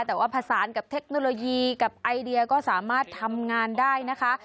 แต่ว่าผสานกับเทคโนโลยีกับไอเดียก็สามารถทำงานได้นะคะ